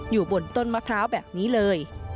อยู่บนต้นมะพร้าวแบบนี้เลย